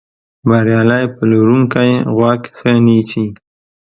بریالی پلورونکی غوږ ښه نیسي.